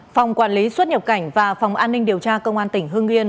phòng quản lý xuất nhập cảnh và phòng an ninh điều tra công an tỉnh hương yên